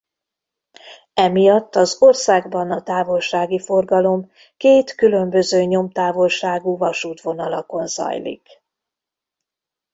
Emiatt az országban a távolsági forgalom két különböző nyomtávolságú vasútvonalakon zajlik.